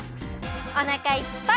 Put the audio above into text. おなかいっぱい！